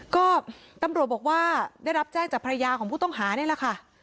ก็ตำรวจบอกว่าได้รับแจ้งจากภรรยาของผู้ต้องหานี่แหละค่ะ